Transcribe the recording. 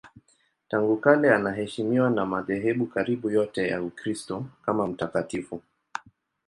Tangu kale anaheshimiwa na madhehebu karibu yote ya Ukristo kama mtakatifu.